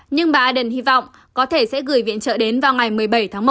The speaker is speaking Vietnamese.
nhưng bà aden hy vọng có thể sẽ gửi viện trợ đến vào ngày một mươi bảy tháng một